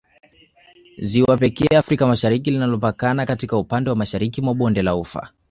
Ziwa pekee Afrika Mashariki linalopatikana katika upande wa mashariki mwa bonde la ufa